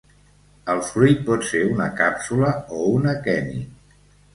El fruit pot ser una càpsula o un aqueni.